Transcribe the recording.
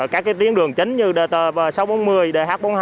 các tuyến đường chính như dt sáu trăm bốn mươi dh bốn mươi hai